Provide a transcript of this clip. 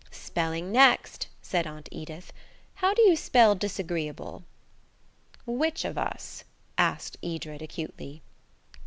"Spelling next," said Aunt Edith. "How do you spell 'disagreeable'?" "Which of us?" asked Edred acutely.